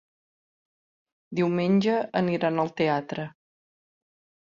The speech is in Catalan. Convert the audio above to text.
Diumenge aniran al teatre.